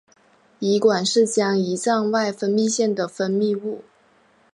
胰管是将胰脏外分泌腺的分泌物。